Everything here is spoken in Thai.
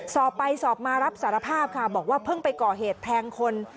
สอบไปสอบมารับสารภาพค่ะบอกว่าเพิ่งไปก่อเหตุแทงคน